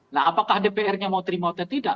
nah apakah dpr nya mau terima atau tidak